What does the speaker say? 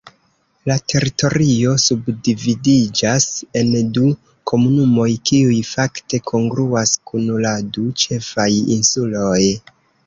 La teritorio subdividiĝas en du komunumoj, kiuj fakte kongruas kun la du ĉefaj insuloj.